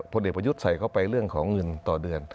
เด็กประยุทธ์ใส่เข้าไปเรื่องของเงินต่อเดือน